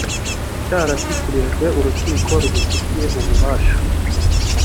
cyarashyikirijwe urukiko rubifitiye ububasha